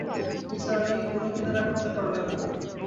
নিসার আলি কোনো কিনারা করতে পারলেন না।